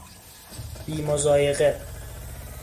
بی مضایقه